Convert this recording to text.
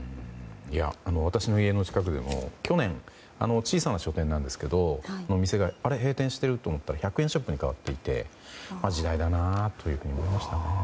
私の家の近くでも去年、小さな書店なんですがあれ、閉店していると思ったら１００円ショップに変わっていて時代だなと思いましたね。